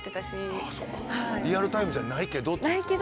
リアルタイムじゃないけどってこと？